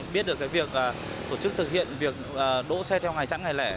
biết được cái việc tổ chức thực hiện việc đỗ xe theo ngày chẳng ngày lẻ